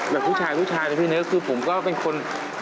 แบบผู้ชายแต่พี่เนื้อคือผมก็เป็นคน